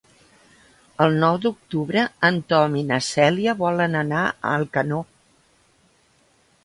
El nou d'octubre en Tom i na Cèlia volen anar a Alcanó.